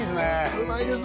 うまいです